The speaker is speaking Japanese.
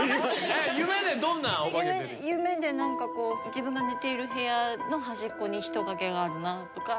自分が寝ている部屋の端っこに人影があるなとか。